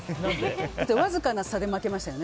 わずかな差で負けましたよね